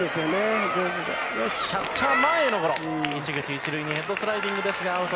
市口、１塁へヘッドスライディングもアウト。